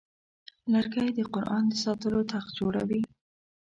لرګی د قرآن د ساتلو تخت جوړوي.